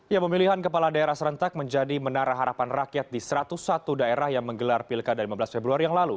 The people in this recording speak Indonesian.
ya pemilihan kepala daerah serentak menjadi menara harapan rakyat di satu ratus satu daerah yang menggelar pilkada lima belas februari yang lalu